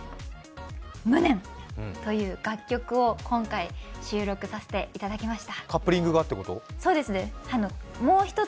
「無念」という楽曲を今回収録させていただきました。